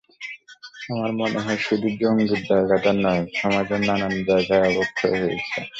আমার মনে হয়, শুধু জঙ্গির জায়গাটা নয়, সমাজের নানান জায়গায় অবক্ষয় হয়েছে।